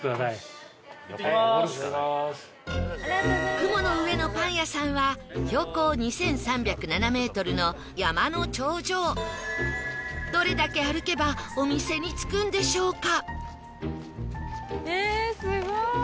雲の上のパン屋さんは標高２３０７ｍの山の頂上どれだけ歩けばお店に着くんでしょうか？